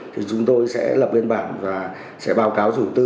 thì chúng tôi sẽ lập biên bản và sẽ báo cáo chủ tư